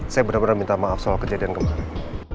saya benar benar minta maaf soal kejadian kemarin